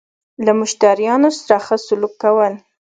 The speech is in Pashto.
له مشتريانو سره خه سلوک کول